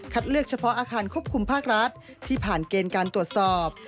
เลือกเฉพาะอาคารควบคุมภาครัฐที่ผ่านเกณฑ์การตรวจสอบ